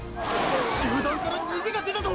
集団から“逃げ”が出たぞ！！